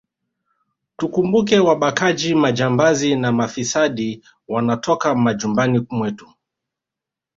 Tukumbuke wabakaji majambazi na mafisadi wanatoka majumbani mwetu